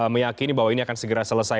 meyakini bahwa ini akan segera selesai